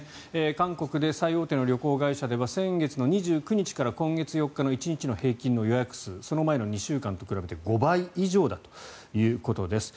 韓国で最大手の旅行会社では先月２９日から今月４日の１日の平均の予約数がその前の２週間と比べて５倍以上だということです。